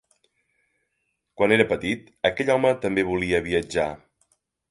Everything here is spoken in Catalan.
Quan era petit, aquell home també volia viatjar.